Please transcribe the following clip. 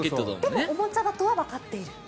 でもおもちゃだとはわかっている。